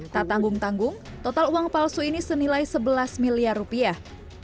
tak tanggung tanggung total uang palsu ini senilai sebelas miliar rupiah